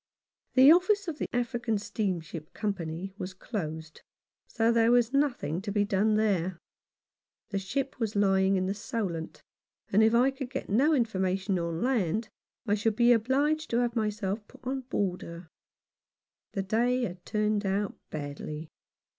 The office of the African Steamship Company was closed, so there was nothing to be done there. The ship was lying in the Solent ; and if I could get no information on land I should be obliged 116 John FauncJs Experiences. No. 29. to have myself put on board her. The day had turned out badly.